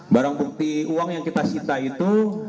barang bukti uang yang kita sita itu